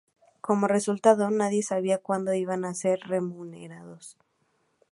Como resultado, nadie sabía cuando iban a ser remunerados.